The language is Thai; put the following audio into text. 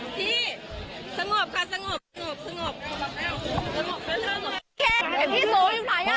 ตำรวจบ้านนี้ค่ะเป็นความวุ่นวายนะตอนนี้นะคะ